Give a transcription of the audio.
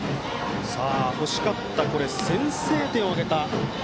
欲しかった先制点を挙げた。